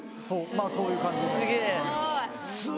まぁそういう感じです。